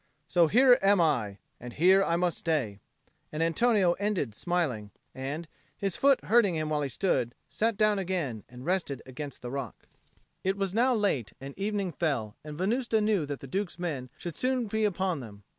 So here I am, and here I must stay," and Antonio ended smiling, and, his foot hurting him while he stood, sat down again and rested against the rock. It was now late, and evening fell; and Venusta knew that the Duke's men should soon be upon them.